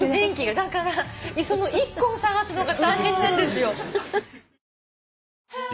だからその１個を探すのが大変なんですよ。